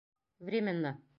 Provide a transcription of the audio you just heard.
Временно!